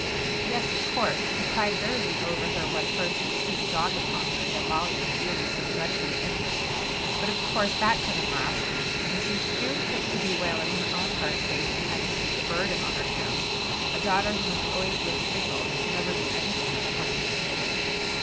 "Yes, of course, she cried bitterly over her when first the truth dawned upon her that Molly was really so dreadfully injured; but of course that couldn't last and she soon took to bewailing her own hard fate in having such a burden on her hands, a daughter who must always live single and could never be anything but a helpless invalid."